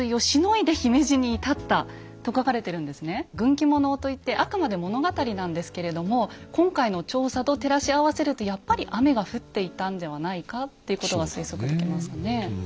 「軍記物」といってあくまで物語なんですけれども今回の調査と照らし合わせるとやっぱり雨が降っていたんではないかっていうことは推測できますよね。